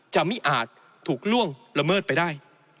จะไม่อาจถูกล่วงละเมิดไปได้